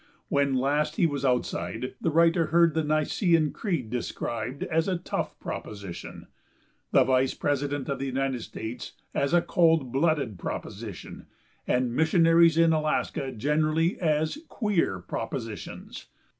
When last he was "outside" the writer heard the Nicene creed described as a "tough proposition"; the Vice President of the United States as a "cold blooded proposition," and missionaries in Alaska generally as "queer propositions."